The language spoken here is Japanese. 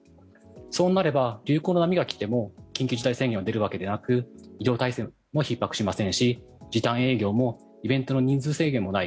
そうなれば、流行の波が来ても緊急事態宣言は出るわけではなく医療体制はひっ迫しませんし時短営業もイベントの人数制限もない。